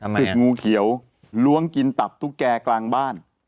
ศึกงูเขียวล้วงกินตับตุ๊กแก่กลางบ้าน